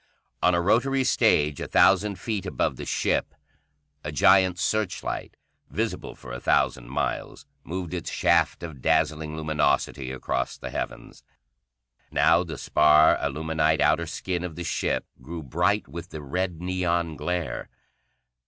On a rotary stage a thousand feet above the ship a giant searchlight, visible for a thousand miles, moved its shaft of dazzling luminosity across the heavens. Now the spar aluminite outer skin of the ship grew bright with the red neon glare.